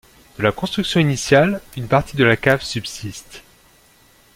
De la construction initiale, une partie de la cave subsiste.